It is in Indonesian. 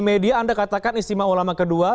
jadi dia anda katakan istimewa ulama kedua